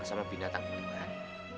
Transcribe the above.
para binatang di luar